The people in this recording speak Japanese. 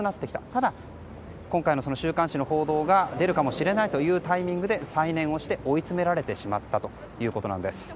ただ、今回の週刊誌の報道が出るかもしれないというタイミングで再燃して追いつめられてしまったということです。